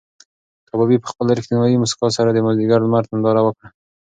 کبابي په خپله رښتونې موسکا سره د مازدیګر د لمر ننداره وکړه.